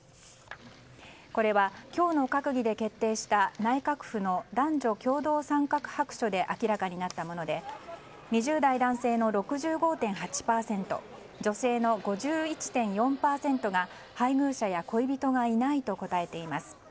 これは今日の閣議で決定した内閣府の男女共同参画白書で明らかになったもので２０代男性の６５．８％女性の５１．４％が配偶者や恋人がいないと答えています。